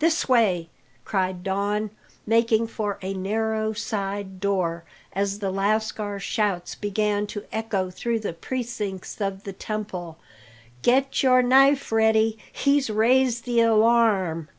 "This way!" cried Don, making for a narrow side door, as the lascar's shouts began to echo through the precincts of the temple. "Get your knife ready, he's raised the alarm!"